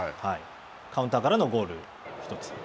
カウンターからのゴール１つ。